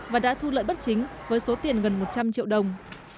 và đã thu lợi bất chính với số tiền gần một trăm linh triệu đồng